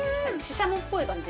ししゃもっぽい感じ。